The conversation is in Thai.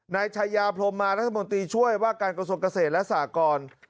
นายชายาพรมมารัฐมนตรีช่วยว่าการกระทรวงเกษตรและสากร